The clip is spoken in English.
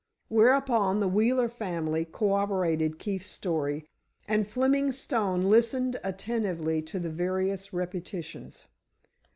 Whereupon the Wheeler family corroborated Keefe's story, and Fleming Stone listened attentively to the various repetitions.